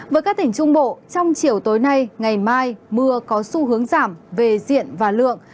với các tỉnh trung bộ trong chiều tối nay ngày mai mưa có xu hướng giảm về diện và lượng